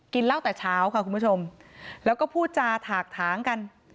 เล่าแต่เช้าค่ะคุณผู้ชมแล้วก็พูดจาถากถางกัน